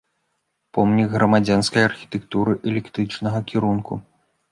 Помнік грамадзянскай архітэктуры эклектычнага кірунку.